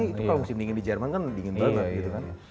itu kalau musim dingin di jerman kan dingin banget gitu kan